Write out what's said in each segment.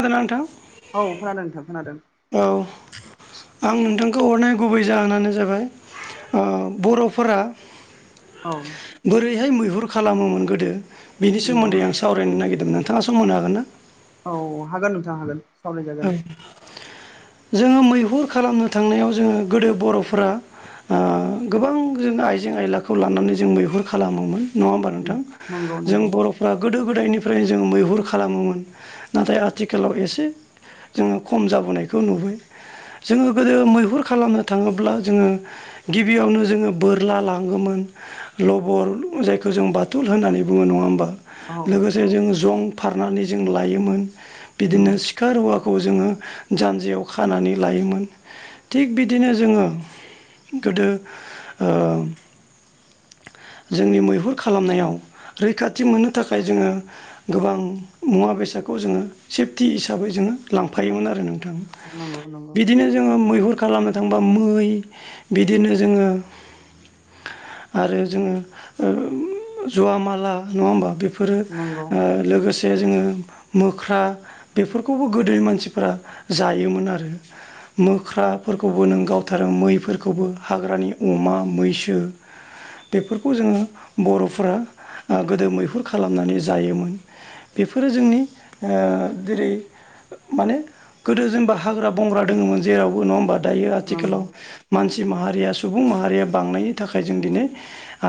खोनादोंना नोंथां? औ खोनादों नोंथां खोनादों। औ आं नोंथांखौ हरनाय गुबै जाहोनानो जाबाय ओ बर'फोरा औ बोरैहाय मैहुर खालामोमोन गोदो बिनि नंगौ सोमोन्दै आं सावरायनो नागिरदोंमोन नोंथाङा सम होनो हागोन ना? औ हागोन नोंथां हागोन। सावरायजागोन ओं जोङो मैहुर खालामनो थांनायाव जोङो गोदो बर'फोरा ओ गोबां जोङो आइजें आयलाखौ लानानै जों मैहुर खालामोमोन। नङा होमबा नोंथां? नंगौ जों नंगौ बर' फ्रा गोदो गोदायनिफ्रायनो जोङो मैहुर खालामोमोन नाथाय आथिखालाव एसे जोङो खम जाबोनायखौ नुबाय। जोङो गोदो मैहुर खालामनो थाङोब्ला जोङो गिबियावनो जोङो बोरला लांगोमोन लबर जायखौ जों बाथुल होननानै बुङो नङा होमबा? औ लोगोसे जों जं फारनानै जों लायोमोन बिदिनो नंगौ सि खा रुवाखौ जोङो जानजियाव खानानै लायोमोन थिग बिदिनो जोङो गोदो ओ जोंनि मैहुर खालामनायाव रैखाथि मोननो थाखाय जोङो गोबां मुवा बेसादखौ जोङो सेफटि हिसाबै जोङो लांफायोमोन आरो नोंथां। नंगौ नंगौ बिदिनो जोङो मैहुर खालामनो थांबा मै बिदिनो जोङो आरो जोङो ओम जुवा माला नङा होमबा बेफोरो ओ। नंगौ लोगोसे जोङो मोख्रा बेफोरखौबो गोदोनि मानसिफोरा जायोमोन आरो। मोख्राफोरखौबो नों गावथारो मैफोरखौबो हाग्रानि अमा मैसो बेफोरखौ जोङो बर'फोरा ओ गोदो मैहुर खालामनानै जायोमोन। बेफोरो जोंनि ओ जेरै माने गोदो जेनेबा हाग्रा बंग्रा दोङोमोन जेरावबो नङा होमबा? दायो नंगौ आथिखालाव मानसि माहारिया सुबुं माहारिया बांनायनि थाखा खाय जों दिनै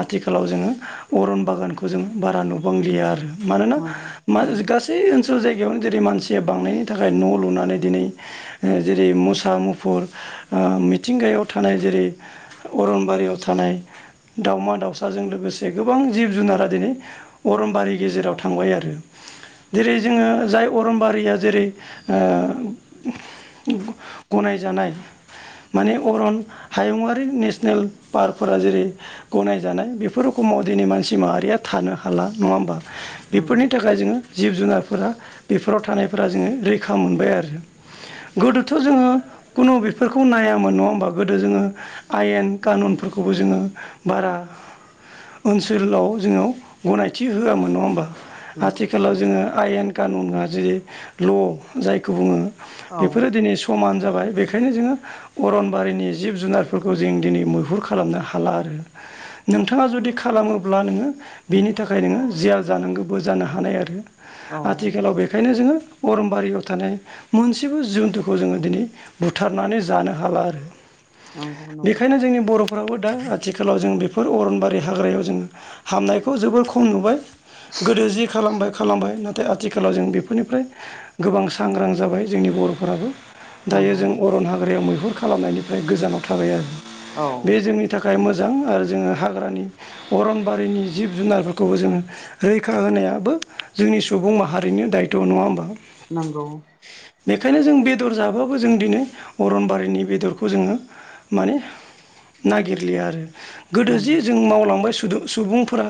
आथिखालाव जोङो अरन बागानखौ जोङो बारा नुबांलिया आरो। मानोना नंगौ गासै ओनसोल जायगायावनो जेरै मानसिया बांनायनि थाखाय न' लुनानै दिनै हे जेरै मुसा मुफुर ओ मिथिंगायाव थानाय जेरै अरनबारियाव थानाय। दावमा दाउसाजों लोगोसे गोबां जिब जुनारा दिनै अरनबारि गेजेराव थांबाय आरो। जेरै जोङो जाय अरमबारिया जेरै ओ गनायजानाय माने अरन हायुआारि नेसनेल पार्क। फोर जेरै गनायजानाय बेफोर रोखोमाव दिनै मानसि माहारिया थानो हाला नङा होमबा। बेफोरनि नंगौ थाखाय जोङो। जिब जुनारफोरा बेफोराव थानायफोरा जोङो रैखा मोनबाय आरो। गोदोथ' जोङो कुनु बेफोरखौ नायामोन नङा होमबा गोदो जोङो आयेन कानुनफोरखौबो जोङो बारा ओनसोलाव जोङो गनायथि होआमोन नङा होमबा? नंगौ नंगौ आथिखालाव नंगौ जोङो आयेन कानुना जेरै ल' जायखौ बुङो औ बेफोरो दिनै सु समान जाबाय बेखायनो जोङो अरनबारिनि जिब जुनारफोरखौ जों दिनै मैहुर खालामनो हाला आरो नोंथाङा जुदि खालामोब्ला नोङो बिनि थाखाय नोङो जियाल जानांगौबो जानो हानाय आरो औ आथिखालाव बेखायनो जोङो अरनबारियाव थानाय मोनसेबो जुन्थुखौ जोङो दिनै बुथारनानै जानो हाला आरो। नंगौ नंगौ बेखायनो जोंनि बर' फराबो दा आथिखालाव जों बेफोर अरनबारि हाग्रायाव जोङो हामनायखौ जोबोर खम नुबाय। गोदो जि खालामबाय खालामबाय ना दा आथिखालाव जों बेफोरनिफ्राय गोबां सांग्रां जाबाय जोंनि बर'फोराबो दायो नंगौ जों अरन हाग्रायाव मैहुर खालामनायनिफ्राय गोजानाव थाबाय आरो। औ। बे जोंनि थाखाय मोजां आरो जोङो हाग्रानि अरनबारिनि जिब जुनारफोरखौबो जोङो रैखा होनायाबो जोंनि सुबुं माहारिनि दायथ' नङा होमबा? नंगौ। बेखायनो जों बेदर जाबाबो जों दिनै अरनबारिनि बेदरखौ जोङो माने नागिरलिया आरो गोदो जे नंगौ जों मावलांबाय सुबुंफोरा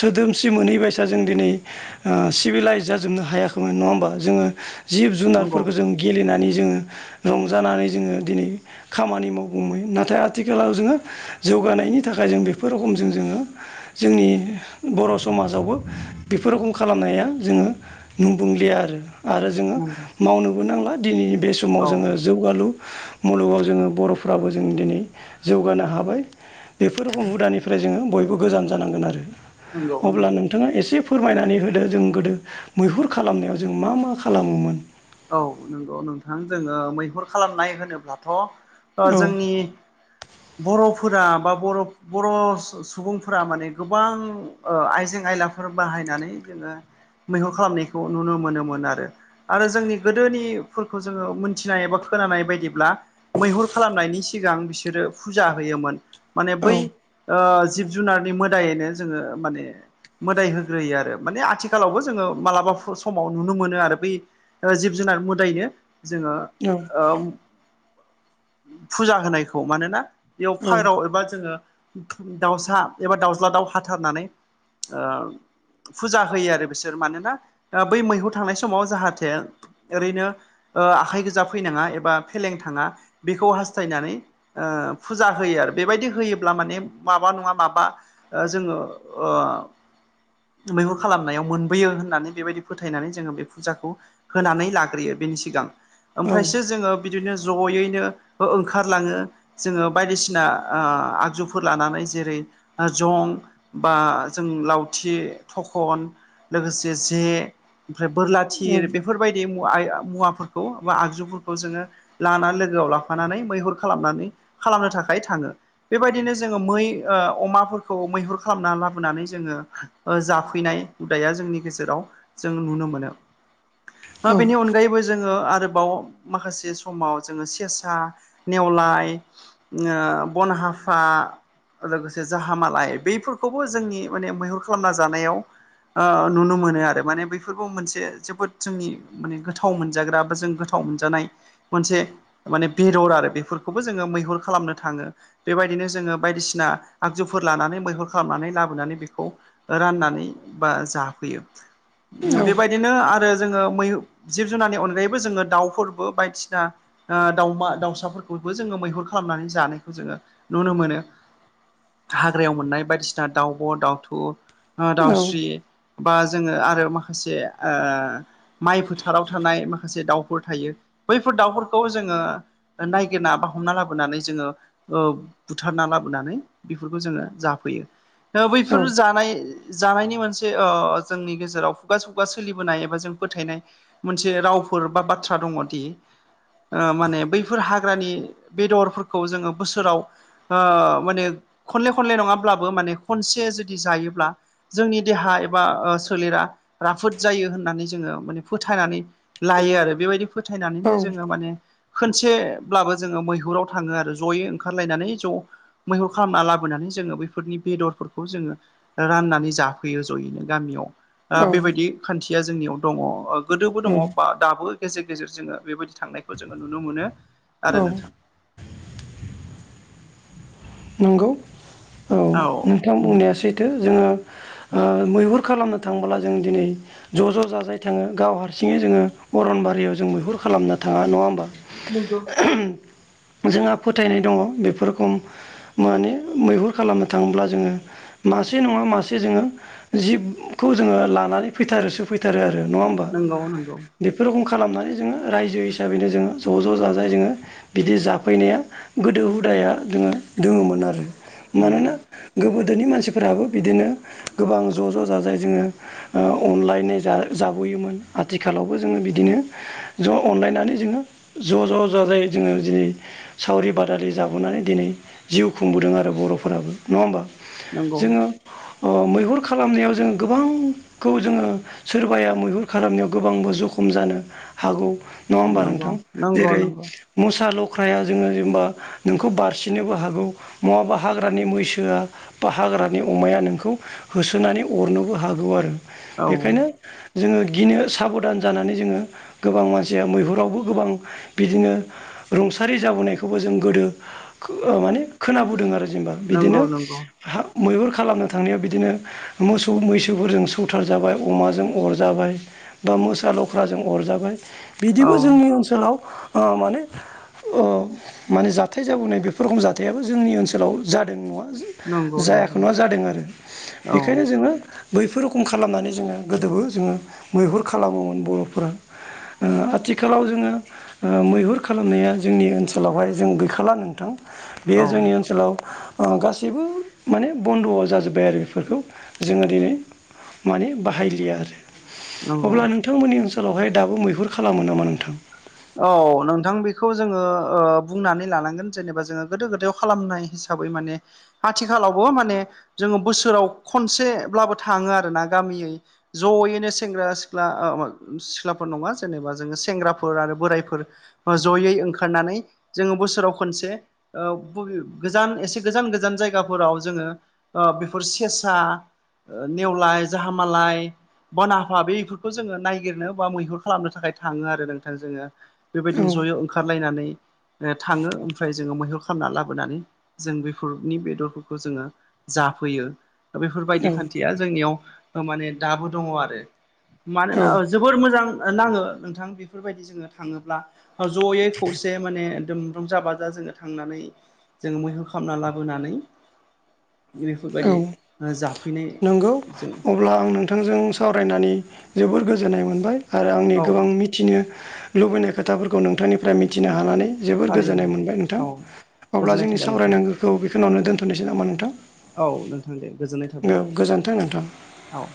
सोदोमस्रि मोनैबायसा जों दिनै ओ सिभिलाइस जाजोबनो हायाखैमोन नङा होमबा जोङो जिब नंगौ जुनारफोरखौ जों गेलेनानै जोङो रंजानानै जोङो दिनै खामानि मावगौमै नाथाय आथि खालाव जोङो जौगानायनि थाखाय जों बेफोर रोखमजों जोङो जोंनि बर' समाजावबो बेफोर रोखोम खालामनाया जोङो नोबुंलिया आरो। आरो जोङो नंगौ मावनोबो नांला दिनैनि बे समाव औ जोङो जौगालु मुलुगाव जोङो बर'फ्राबो जों दिनै जौगानो हाबाय बेफोर रखम हुदानिफ्राय जोङो बयबो गोजान जानांगोन आरो‌। नंगौ अब्ला नंगौ नों नोंथाङा एसे फोरमायनानै होदो जों गोदो मैहुर खालामनायाव जों मा मा खालामोमोन। औ नंगौ नोंथां जोङो मैहुर खालामनाय होनोब्लाथ' ओ औ जोंनि बर'फोरा बा बर' बर' सुबुंफोरा माने गोबां ओ आइजें आयलाफोर बाहायनानै जोङो मैहुर खालामनायखौ नुनो मोनोमोन आरो आरो जोंनि गोदोनिफोरखौ जोङो मोनथिनाय एबा खोनानाय बायदिब्ला मैहुर खालामनायनि सिगां बिसोरो फुजा होयोमोन माने औ बै ओ जि जुनारनि मोदाय होनो जोङो माने मोदाय होग्रोयो आरो माने आथिखालावबो जोङो मालाबा समाव नुनो मोनो आरो बै ओ जिब जुनार मोदायनो जोङो औ। ओ फुजा होनायखौ मानोना बेयाव फारौ एबा जोङो दाउसा एबा दाउज्ला दाउ हाथारनानै ओ फुजा होयो आरो बिसोर मानोना ओ बै मैहुर थांनाय समाव जाहाथे ओरैनो ओ आखाइ गोजा फैनाङा एबा फेलें थाङा बेखौ हास्थायनानै ओ फुजा होयो आरो बेबायदि होयोब्ला माने माबा नङा माबा ओ जोङो ओ मैहुर खालामनायाव मोनबोयो होननानै बेबायदि फोथायनानै जोङो बे फुजाखौ होनानै लाग्रोयो बेनि सिगां औ ओमफ्रायसो जोङो बिदिनो ज'यैनो ओ ओंखारलाङो जोङो बायदिसिना ओ आगजुफोर लानानै जेरै जं बा जों लावथि थखन लोगोसे जे ओमफ्राय बोरला थिर बेफोरबायदि मुवा आ मुवाफोरखौ बा आगजुफोरखौ जोङो लाना लोगोआव लाफानानै मैहुर खालामनानै खालामनो थाखाय थाङो। बेबायदिनो जोङो मै ओ अमाफोरखौ मैहुर खालामना लाबोनानै जोङो ओ जाफैनाय हुदाया जोंनि गेजेराव जों नुनो मोनो ओ औ बेनि अनगायैबो जोङो आरोबाव माखासे समाव जोङो सेेसा नेवलाय ओ बन हाफा लोगोसे जाहामालाय बैफोरखौबो जोंनि माने मैहुर खालामना जानायाव ओ नुनो मोनो आरो माने बेफोरखौ मोनसे जोबोद। जोंनि माने गोथाव मोनजाग्रा बा जों गोथाव मोनजानाय मोनसे - माने बेदर आरो बेफोरखौबो जोङो मैहुर खालामनो थाङो। बेबायदिनो जोङो बायदिसिना आगजुफोर लानानै मैहुर खालामनानै लाबोनानै बेखौ राननानै बा जाफैयो बेबायदिनो आरो। जोङो मै जिब जुनारनि अनगायैबो जोङो दाउफोरबो बायदिसिना ओ दाउमा दाउसाफोरखौबो जोङो मैहुर खालामनानै जानायखौ जोङो नुनो मोनो। हाग्रायाव मोननाय बायदिसिना दाउब' दाउथु बा दाउस्रि बा जोङो आरो माखासे ओ। माइ फोथाराव थानाय माखासे दाउफोर थायो बैफोर दाउफोरखौ जोङो नायगिरना बा हमना लाबोनानै जोङो ओ बुथारना लाबोनानै बेफोरखौ जोङो जाफैयो। दा बैफोर औ जानाय जानायनि मोनसे ओ जोंनि गेजेराव खुगाजों खुगा सोलिबोनाय एबा जों फोथायनाय मोनसे रावफोर बा बाथ्रा दङ दि। ओ माने बैफोर हाग्रानि बेदरफोरखौ जोङो बोसोराव ओ माने खनले खनले नङाब्लाबो माने खनसे जुदि जायोब्ला जोंनि देहा एबा ओ सोलेरा राफोद जायो होननानै जोङो माने फोथायनानै लायो आरो बेबायदि फोथायनानैनो जोङो माने खोनसेब्लाबो जोङो मैहुराव थाङो आरो जयै ओंखारलायनानै ज' मैहुर खालामना लाबोनानै जोङो बैफोरनि बेदरफोरखौ जोङो राननानै जाफैयो जयैनो गामियाव ओ औ बेबायदि खान्थिया जोंनियाव दङ ओ गोदोबो दङ बा दाबो गेजेर गेजेर जोङो बेबायदि थांनायखौ जोङो नुनो मोनो आरो औ नोंथां नंगौ औ नोंथां बुंनाया सैथो जोङो मैहुर खालामनो थांब्ला जों दिनै ज' ज' जाजाय थाङो गाव हारसिङै जोङो अरनबारियाव जों मैहुर खालामनो थाङा नङा होमबा नंगौ जोंहा फोथायनाय दङ बेफोरखौ माने मैहुर खालामनो थाङोब्ला जोङो मासे नङा मासे जोङो जिबखौ जोङो लानानै फैथारोसो फैथार थारो आरो नङा होमबा नंगौ नंगौ बेफोर रोखोम खालामनानै जोङो रायजो हिसाबैनो जोङो ज' ज' जाजाय जोङो बिदि जाफैनाया गोदो हुदाया जोङो दोङोमोन आरो नंगौ मानोना गोबोदोनि मानसिफोराबो बिदिनो गोबां ज' ज' जाजाय जोङो ओ अनलायना जा जाबोयोमोन आथिखालावबो जोङो बिदिनो ज' अनलायनानै जोङो ज' ज' जा जाय जोङो दिनै सावरि बादालि जाबोनानै दिनै जिउ खुंबोदों आरो बर'फोराबो नङा होमबा नंगौ जोङो मैहुर खालामनायाव जोङो गोबांखौ जोङो सोरबाया मैहुर खालामनायाव गोबांबो जखम जानो हागौ नङा होमबा नंगौ नोंथां नंगौ जेरै नंगौ मोसा लख्राया जोङो जेनेबा नोंखौ बारसिननोबो हागौ नङाबा हाग्रानि मैसोआ बा हाग्रानि अमाया नोंखौ होसोनानै अरनोबो हागौ आरो औ बेखायनो जोङो गिनो साबधान जानानै जोङो गोबां मानसिया मैहुरावबो गोबां बिदिनो रुंसारि जाबोनायखौबो जों गोदो खो माने खोनाबोदों आरो जेनेबा नंगौ बिदिनो नंगौ हा मैहुर खालामनो थांनायाव बिदिनो मोसौ मैसोफोरजों सौथार जाबाय अमाजों अरजाबाय बा मोसा लख्राजों अरजाबाय औ बिदिबो जोंनि ओनसोलाव ओ माने ओ माने जाथाय जाबोनाय बेफोर रखम जा जाथायाबो जोंनि ओनसोलाव जादों नङा नंगौ जायाखै नंगौ नङा जादों आरो औ बेखायनो जोङो बैफोर रखम खालामनानै जोङो गोदोबो जोङो मैहुर खालामोमोन बर'फोरा ओ आथिखालाव जोङो ओ मैहुर खालामनाया जोंनि ओनसोलावहाय जों गैखाला नोंथां बेयो औ जोंनि ओनसोलाव ओ गासैबो माने बन्द' जाजोब्बाय आरो बेफोरखौ जोङो दिनै माने बाहायलिया आरो नंगौ अब्ला नोंथांमोननि ओनसोलावहाय दाबो मैहुर खालामो नामा नोंथां औ नोंथां बेखौ जोङो बुंनानै लानांगोन जेनेबा जोङो गोदो गोदायाव खालामनाय हिस हिसाबै माने आथिखालावबो माने जोङो बोसोराव खनसेब्लाबो थाङो आरो ना गामियै जयैनो सेंग्रा सिख्ला सिख्लाफोर नङा जेनेबा जोङो सेंग्राफोर आरो बोरायफोर जयै ओंखारनानै जोङो बोसोराव खनसे ओ बबे गोजान एसे गोजान गोजान जायगाफोराव जोङो ओ बेफोर सेसा नेवलाय जाहामालाय बनहाफा बेफोरखौ जोङो नायगिरनो बा मैहुर खालामनो थाखाय थाङो आरो नोंथां जोङो बेबायदिनो जयै ओंखारलायनानै ओ थाङो ओमफ्राय जोङो मैहुर खालामना लाबोनानै जों बेफोरनि बेदरफोरखौ जोङो जाफैयो औ बेफोरबायदि खान्थिया जोंनियाव माने दाबो दङ आरो मानोना औ जोबोर मोजां नाङो नोंथां बेफोरबायदि जोंङो थांङोब्ला ज'यै खौसे माने [inaudible] जा बाजा जोंङो थांनानै जोंङो मैहोम खालामना लाबोनानै बेफोरबायदि औ जाफैनाय नंगौ जों अब्ला आं नोंथांजों सावरायनानै जोबोर गोजोननाय मोनबाय आरो आंनि औ गोबां मि मिथिनो लुबैनाय खोथाफोरखौ नोंथांनि फ्राय मिथिनो हानानै जोबोर थारैनो गोजोननाय मोनबाय नोंथां औ अब्ला गोजोननाय जोंनि थाबाय नोंथां सावरायनांगो खौ बेखियावनो दोनथ'नोसै नामा नोंथां? औ नोंथां दे गोजोननाय थाबाय औ गोजोन्थों नोंथां औ